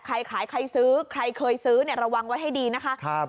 ใครขายใครซื้อใครเคยซื้อระวังไว้ให้ดีนะคะ